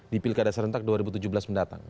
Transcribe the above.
di pilkada serentak dua ribu tujuh belas mendatang